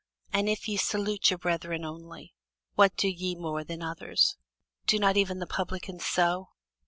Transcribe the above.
And if ye salute your brethren only, what do ye more than others? do not even the publicans so?